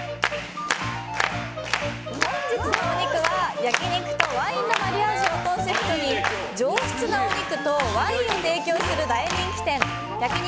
本日のお肉は、焼き肉とワインのマリアージュをコンセプトに上質なお肉とワインを提供する大人気店焼肉